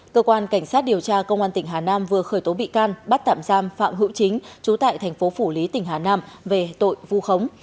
cơ quan cảnh sát điều tra công an tỉnh hà nam vừa khởi tố bị can bắt tạm giam phạm hữu chính trú tại thành phố phủ lý tỉnh hà nam về tội vu khống